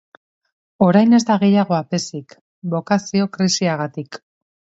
Orai ez da gehiago apezik, bokazio krisiagatik.